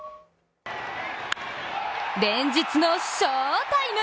連日の翔タイム！